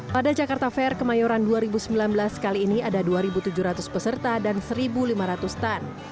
pada jakarta fair kemayoran dua ribu sembilan belas kali ini ada dua tujuh ratus peserta dan satu lima ratus tan